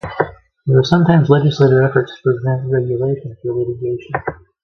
There are sometimes legislative efforts to prevent regulation through litigation.